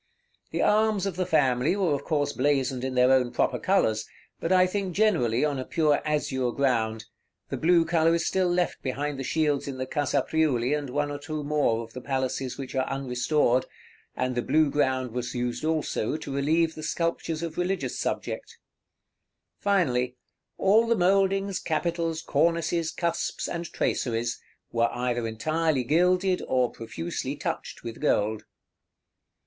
The arms of the family were of course blazoned in their own proper colors, but I think generally on a pure azure ground; the blue color is still left behind the shields in the Casa Priuli and one or two more of the palaces which are unrestored, and the blue ground was used also to relieve the sculptures of religious subject. Finally, all the mouldings, capitals, cornices, cusps, and traceries, were either entirely gilded or profusely touched with gold.